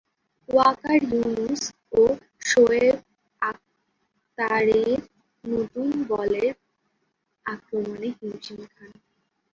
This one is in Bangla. ওয়াকার ইউনুস ও শোয়েব আখতারের নতুন বলের আক্রমণে হিমশিম খান।